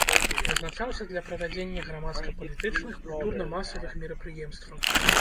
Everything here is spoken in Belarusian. Прызначаўся для правядзення грамадска-палітычычных, культурна-масавых мерапрыемстваў.